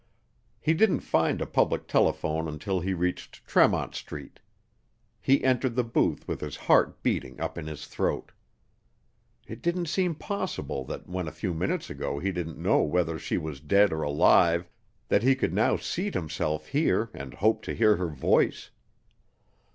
He didn't find a public telephone until he reached Tremont Street. He entered the booth with his heart beating up in his throat. It didn't seem possible that when a few minutes ago he didn't know whether she was dead or alive, that he could now seat himself here and hope to hear her voice.